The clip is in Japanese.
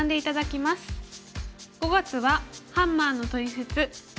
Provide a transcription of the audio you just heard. ５月は「ハンマーのトリセツ②」。